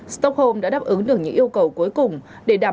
stockholm đã đáp ứng được các điều kiện của ngoại trưởng billstrom